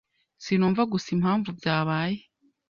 Sinumva gusa impamvu byabaye.